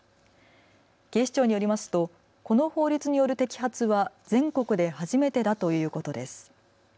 警視庁によりますとこの法律による摘発は全国で初めてだということです。